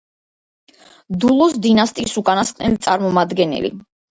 დულოს დინასტიის უკანასკნელი წარმომადგენელი.